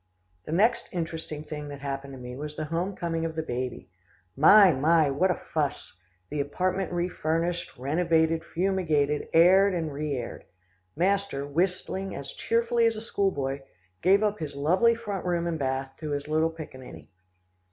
The next interesting thing that happened to me was the home coming of the baby. My! my! what a fuss the apartment refurnished, renovated, fumigated, aired and reaired. Master, whistling as cheerfully as a school boy, gave up his lovely front room and bath to his little pickaninny.